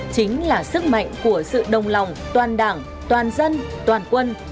chính là sức mạnh của sự đồng lòng toàn đảng toàn dân toàn quân